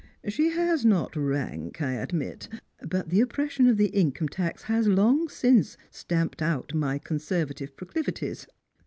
She has not rank, I admit; but the oppression of the income tax has long since stamped out my Conservative proclivities.